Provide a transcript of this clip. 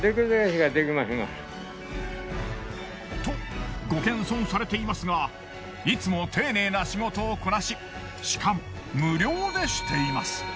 とご謙遜されていますがいつも丁寧な仕事をこなししかも無料でしています。